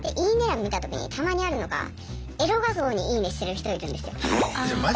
見た時にたまにあるのがエロ画像に「いいね」してる人いるんですよ。